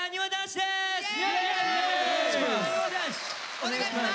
お願いします！